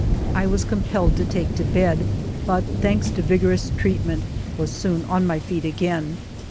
I was compelled to take to bed, but, thanks to vigorous treatment, was soon on my feet again.